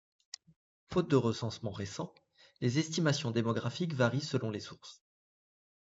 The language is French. Faute de recensement récent, les estimations démographiques varient selon les sources.